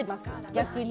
逆に。